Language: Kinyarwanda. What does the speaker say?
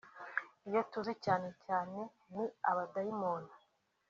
Iyo tuzi cyane cyane ni abadayimoni